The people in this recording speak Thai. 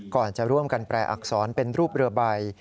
ก่อนจะร่วมกันแปลอักษรเป็นรูปเรือใบ